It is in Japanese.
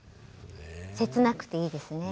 せつなくていいですね。